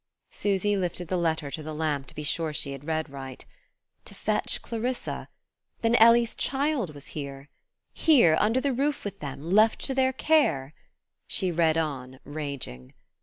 Susy lifted the letter to the lamp to be sure she had read aright. To fetch Clarissa! Then Ellie's child was here? Here, under the roof with them, left to their care? She read on, raging.